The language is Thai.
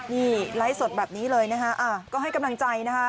นี่ไลฟ์สดแบบนี้เลยนะคะก็ให้กำลังใจนะคะ